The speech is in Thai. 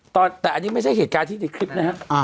แต่อันนี้ไม่ใช่เหตุการณ์ที่ในคลิปนะฮะ